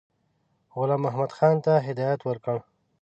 غلام محمدخان ته هدایت ورکړ.